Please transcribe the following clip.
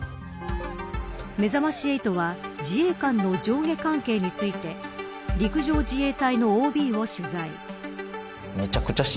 めざまし８は自衛官の上下関係について陸上自衛隊のＯＢを取材。